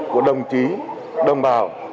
của đồng chí đồng bào